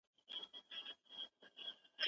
په جرګه کي کومو کسانو ګډون کړی و؟